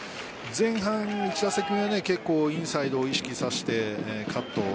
前半、１打席目は結構インサイドを意識させてカット。